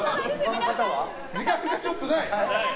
時間がちょっとない。